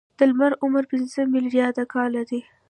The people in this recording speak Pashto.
د لمر عمر پنځه ملیارده کاله دی.